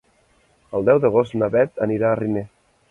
El deu d'agost na Beth anirà a Riner.